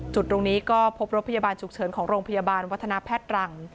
จุดตรงนี้ก็พบรถพยาบาลฉุกเฉินของโรงพยาบาลวัฒนาแพทย์รัง